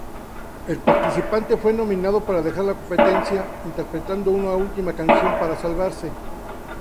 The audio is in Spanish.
El participante fue nominado para dejar la competencia, interpretando una última canción para salvarse.